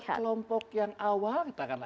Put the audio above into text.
jadi kepada kelompok yang awal